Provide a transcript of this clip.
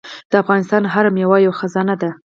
د افغانستان هره میوه یوه خزانه ده.